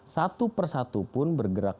satu persatu pun bergerak